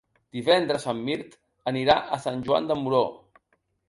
Divendres en Mirt anirà a Sant Joan de Moró.